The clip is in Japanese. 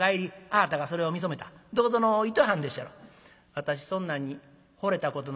「私そんなんに惚れたことない」。